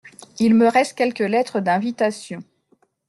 Il me reste quelques lettres d’invitation.